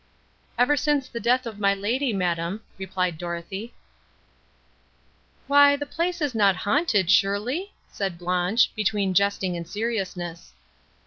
"Ever since the death of my lady, madam," replied Dorothée. "Why, the place is not haunted, surely?" said Blanche, between jesting and seriousness.